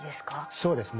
そうですね。